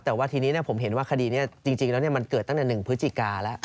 แต่ว่าทีนี้ผมเห็นว่าคดีนี้จริงแล้วมันเกิดตั้งแต่๑พฤศจิกาแล้ว